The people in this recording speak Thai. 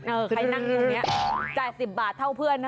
ใครนั่งอยู่อย่างนี้จ่าย๑๐บาทเท่าเพื่อนนะ